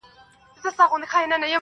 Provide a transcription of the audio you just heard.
د منصوري قسمت مي څو کاڼي لا نور پاته دي٫